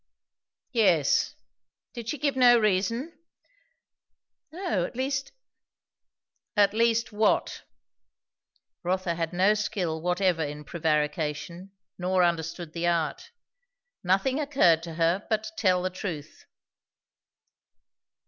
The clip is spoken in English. "Yes. Did she give no reason?" "No. At least " "At least what?" Rotha had no skill whatever in prevarication, nor understood the art. Nothing occurred to her but to tell the truth.